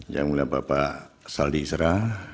yang mulia bapak saldi isra